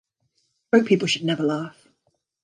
Broke people should never laugh!